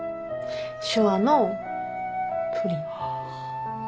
手話のプリン。